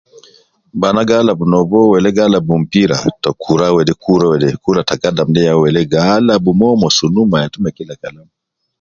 Bana gi alab nobo wele gi alab mpira ta kura wede, kura wede, kura gidam wede ya wele gi alabu mon so sunu ma yatu ma kila namna